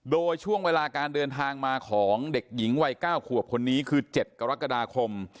โดยช่วงเวลาการเดินทางมาของเด็กหญิงวัย๙ขวบคนนี้คือ๗กรกฎาคม